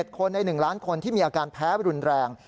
๗คนใน๑ล้านคนที่มีอาการแพ้รุนแรง